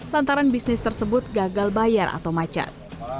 lantaran bisnis tersebut gagal bayar atau macet